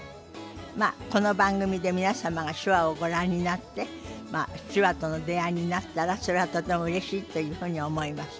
まあこの番組で皆様が手話をご覧になって手話との出会いになったらそれはとてもうれしいというふうに思います。